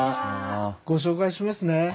ご紹介しますね。